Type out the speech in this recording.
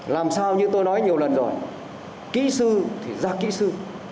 làm sao như tôi nói nhiều lần rồi kỹ sư thì ra kỹ sư